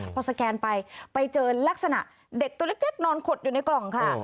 พอสแกนไปไปเจอลักษณะเด็กตัวเล็กนอนขดอยู่ในกล่องค่ะ